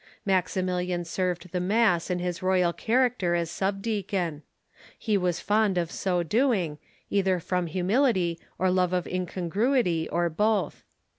Maximilian served the mass in his royal character as sub deacon. He was fond of so doing, either from humility, or love of incongruity, or both.